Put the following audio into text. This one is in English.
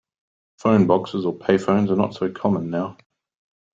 Phone boxes or payphones are not so common now